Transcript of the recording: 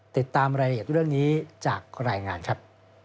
ติดตามรายละเอียดเรื่องนี้จากรายงานครับ